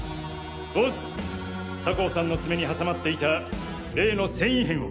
ボウズ！酒匂さんの爪に挟まっていた例の繊維片を。